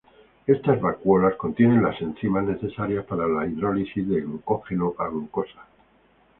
Estas vacuolas contienen las enzimas necesarias para la hidrólisis de glucógeno a glucosa.